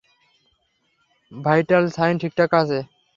Vital sign ঠিকঠাক আছে।